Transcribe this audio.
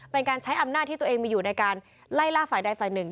เป็นการใช้อำนาจที่ตัวเองมีอยู่ในการไล่ล่าฝ่ายใดฝ่ายหนึ่ง